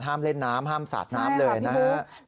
เล่นน้ำห้ามสาดน้ำเลยนะครับ